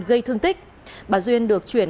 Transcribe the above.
gây thương tích bà duyên được chuyển